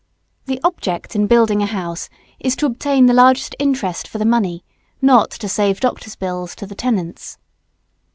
The object in building a house is to obtain the largest interest for the money, not to save doctors' bills to the tenants.